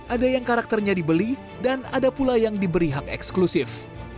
ada yang karakternya dibeli dan ada pula yang diberi hak eksklusif